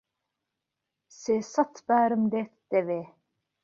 سێ سەت بارم لێت دەوێ